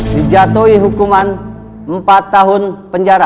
dijatuhi hukuman empat tahun penjara